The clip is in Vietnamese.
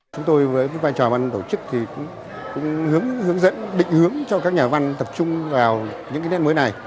chúng tôi với vai trò ban tổ chức thì cũng hướng dẫn định hướng cho các nhà văn tập trung vào những nét mới này